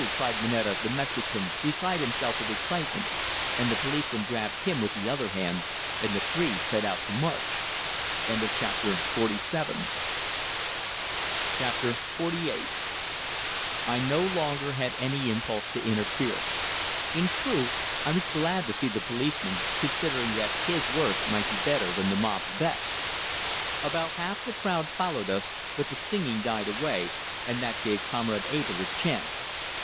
cried Moneta, the Mexican, beside himself with excitement; and the policeman grabbed him with the other hand, and the three set out to march. XLVIII I no longer had any impulse to interfere. In truth I was glad to see the policeman, considering that his worst might be better than the mob's best. About half the crowd followed us, but the singing died away, and that gave Comrade Abell his chance.